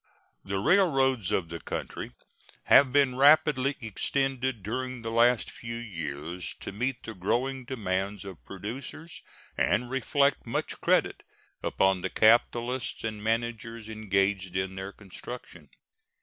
The railroads of the country have been rapidly extended during the last few years to meet the growing demands of producers, and reflect much credit upon the capitalists and managers engaged in their construction.